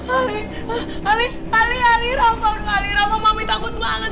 ali ali ali ali rampau rampau rampau mami takut banget